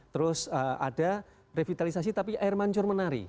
terus ada revitalisasi tapi air mancur menari